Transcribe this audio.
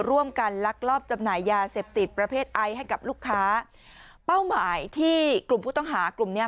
ลักลอบจำหน่ายยาเสพติดประเภทไอซ์ให้กับลูกค้าเป้าหมายที่กลุ่มผู้ต้องหากลุ่มเนี้ย